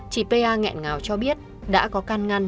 chị pia ngẹn ngào cho biết đã có căn ngăn